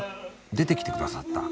出てきてくださった。